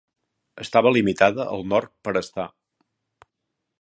Estava limitada al nord per Sta.